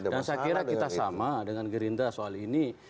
dan saya kira kita sama dengan gerinda soal ini